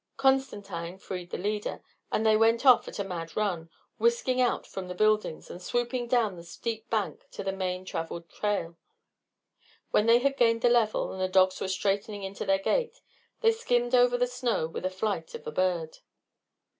Constantine freed the leader, and they went off at a mad run, whisking out from the buildings and swooping down the steep bank to the main travelled trail. When they had gained the level and the dogs were straightened into their gait, they skimmed over the snow with the flight of a bird.